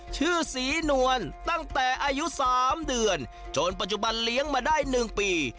ชื่อศรีนวลตั้งแต่อายุ๓เดือนจนปัจจุบันเลี้ยงมาได้๑ปี